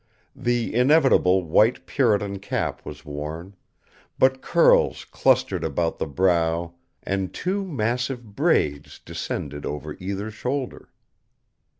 The inevitable white Puritan cap was worn, but curls clustered about the brow and two massive braids descended over either shoulder.